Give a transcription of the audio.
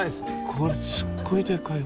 これすっごいでかいよ。